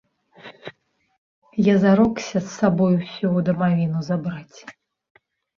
Я зарокся з сабою ўсё ў дамавіну забраць.